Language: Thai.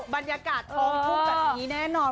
บรรยากาศท้องพูดว่านี้แน่นอน